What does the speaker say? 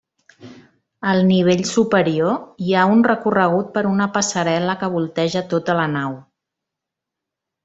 Al nivell superior, hi ha un recorregut per una passarel·la que volteja tota la nau.